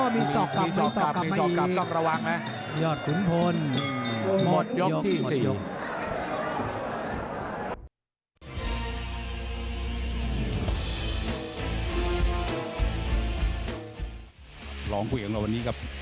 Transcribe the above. มีศอกกลับมีศอกกลับ